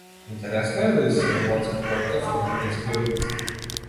Интересно и е да си ја боцка кожата со вулкански ерупции.